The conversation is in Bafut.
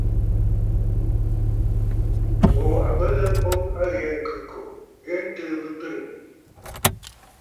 Ŋù à bə ləŋ boŋ a ghɛɛ ŋ̀khɨ̂kòò ghɛɛ ntɨɨ bɨ twiŋə̀.